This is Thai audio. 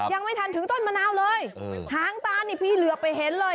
ยังไม่ทันถึงต้นมะนาวเลยหางตานี่พี่เหลือไปเห็นเลย